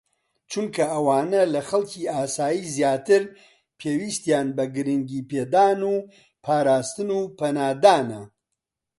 چونکە ئەوانە لە خەڵکی ئاسایی زیاتر پێویستیان بە گرنگیپێدان و پاراستن و پەنادانە